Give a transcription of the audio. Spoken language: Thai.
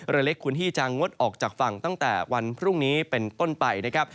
เรือเล็กควรที่จะงดออกจากฝั่งตั้งแต่วันพรุ่งนี้เป็นต้นไปนะครับ